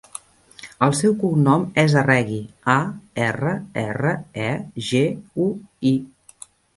El seu cognom és Arregui: a, erra, erra, e, ge, u, i.